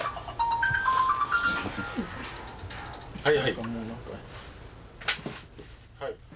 はいはい。